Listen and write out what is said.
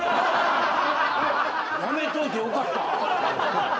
やめといてよかった。